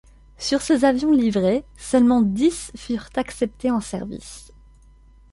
Sur ces avions livrés, seulement dix furent acceptés en service.